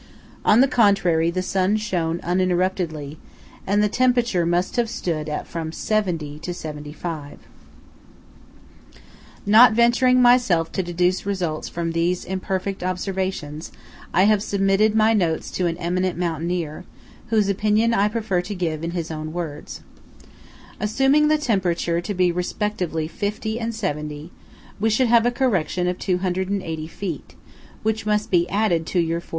On the contrary, the sun shone uninterruptedly, and the temperature must have stood at from 70° to 75°. Not venturing myself to deduce results from these imperfect observations, I have submitted my notes to an eminent mountaineer, whose opinion I prefer to give in his own words:–"Assuming the temperature to be respectively 50° and 70°, we should have a correction of 280 feet27, which must be added to your 4,500.